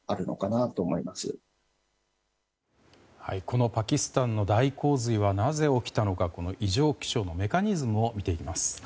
このパキスタンの大洪水はなぜ起きたのか異常気象のメカニズムを見ていきます。